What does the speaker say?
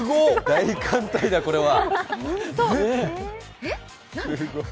大艦隊だ、これは。